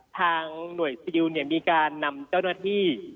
ทางหน่วยซิลมีการนำเจ้าหน้าที่